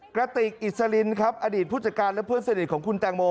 กระติกอิสลินครับอดีตผู้จัดการและเพื่อนสนิทของคุณแตงโม